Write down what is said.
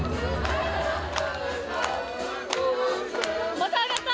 また上がった！